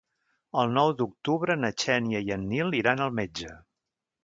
El nou d'octubre na Xènia i en Nil iran al metge.